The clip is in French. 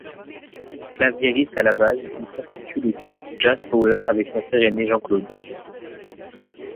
Claviériste à la base, il constitue le groupe JazzPower avec son frère aîné Jean-Claude.